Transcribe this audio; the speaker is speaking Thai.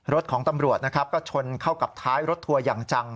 รถของตำรวจนะครับก็ชนเข้ากับท้ายรถทัวร์อย่างจัง